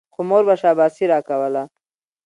خو مور به شاباسي راکوله.